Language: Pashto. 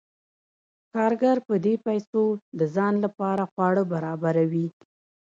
کارګر په دې پیسو د ځان لپاره خواړه برابروي